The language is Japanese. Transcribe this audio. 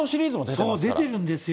そう、出てるんですよ。